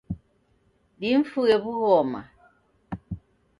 Dimfuye wughoma